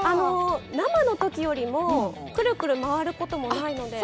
生の時よりもくるくる回ることもないので。